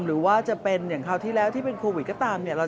หรือว่าจะเป็นเหมือนครั้วที่แรกที่เป็นโควิดก็ตาม